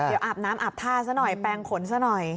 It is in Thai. เดี๋ยวอาบน้ำอาบท่าซะหน่อยแปลงขนซะหน่อย